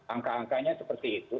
angka angkanya seperti itu